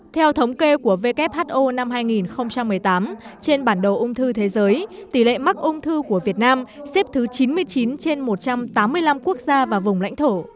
theo thống kê của who năm hai nghìn một mươi tám trên bản đồ ung thư thế giới tỷ lệ mắc ung thư của việt nam xếp thứ chín mươi chín trên một trăm tám mươi năm quốc gia và vùng lãnh thổ